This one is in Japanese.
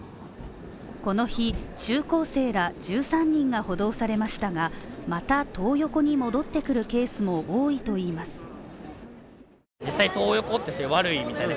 この日、中高生ら１３人が補導されましたがまたトー横に戻ってくるケースも多いといいます。